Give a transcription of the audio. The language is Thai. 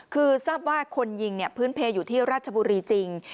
คือทราบว่าคนยิงพื้นเพลอยู่ที่ราชบุรีจริง